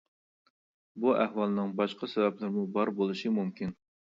بۇ ئەھۋالنىڭ باشقا سەۋەبلىرىمۇ بار بولۇشى مۇمكىن.